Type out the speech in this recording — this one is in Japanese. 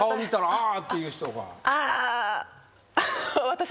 ああ。